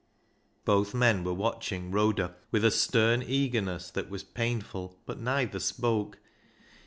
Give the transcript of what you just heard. " Both men were watching Rhoda with a stern eagerness that was painful, but neither spoke.